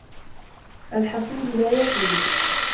الْحَسُودُ لَا يَسُودُ